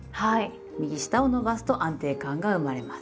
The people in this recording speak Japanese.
右下を伸ばすと安定感が生まれます。